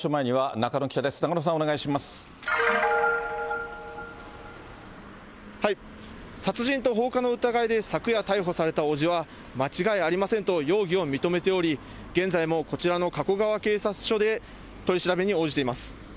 中野さん、殺人と放火の疑いで昨夜、逮捕された伯父は、間違いありませんと容疑を認めており、現在もこちらの加古川警察署で、取り調べに応じています。